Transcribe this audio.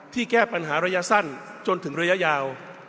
แก้ปัญหาระยะสั้นจนถึงระยะยาว